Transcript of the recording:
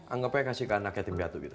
anggapnya kasih ke anak yatim piatu gitu